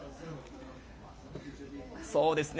そうですね。